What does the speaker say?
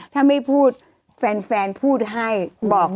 ถ้าไม่พูดแฟนพูดให้บอก